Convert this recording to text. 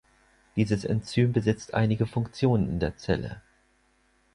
Dieses Enzym besitzt einige Funktionen in der Zelle.